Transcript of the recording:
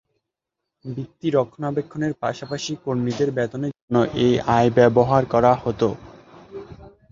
ভিত্তি রক্ষণাবেক্ষণের পাশাপাশি কর্মীদের বেতনের জন্য এই আয় ব্যবহার করা হত।